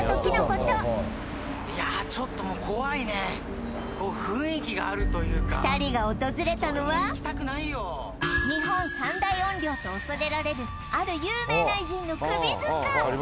ちょっともう怖いねこう雰囲気があるというか２人が訪れたのは日本三大怨霊と恐れられるある有名な偉人の首塚！